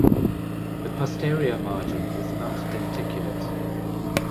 The posterior margin is not denticulate.